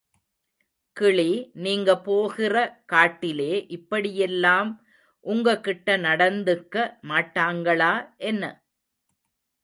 கிளி நீங்க போகிற காட்டிலே இப்படியெல்லாம் உங்க கிட்ட நடந்துக்க மாட்டாங்களா, என்ன?